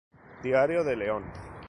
Diario de León.